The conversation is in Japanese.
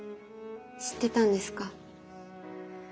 知ってたんですか？